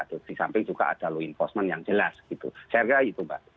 disamping juga ada law enforcement yang jelas gitu saya kira itu mbak